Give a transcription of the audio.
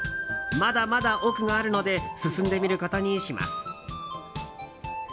まだまだ奥があるので進んでみることにします。